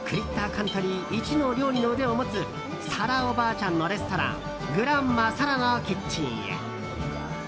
カントリーいちの料理の腕を持つサラおばあちゃんのレストラングランマ・サラのキッチンへ。